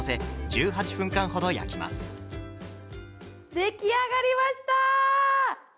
出来上がりました！